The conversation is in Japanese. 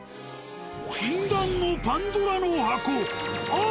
禁断のパンドラの箱オープン。